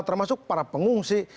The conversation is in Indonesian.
termasuk para pengungsi